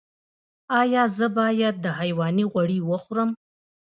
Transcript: ایا زه باید د حیواني غوړي وخورم؟